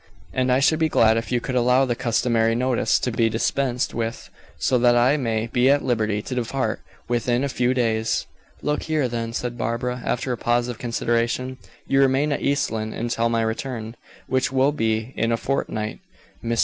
And I should be glad if you could allow the customary notice to be dispensed with, so that I may be at liberty to depart within a few days." "Look here, then," said Barbara, after a pause of consideration, "you remain at East Lynne until my return, which will be in a fortnight. Mr.